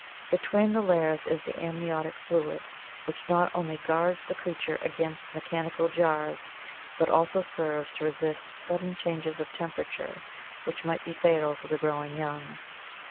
. Be tween the layers is the amniotic fluid which not only guards the creature against mechanical jars but also serves to resist sudden changes of temperature which might be fatal to the growing young.